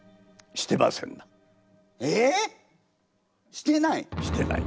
してない！？